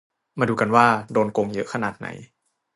มาดูกันว่า โดนโกงเยอะขนาดไหน